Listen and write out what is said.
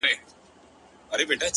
• سپی په مخ کي سي د لاري رهنما سي ,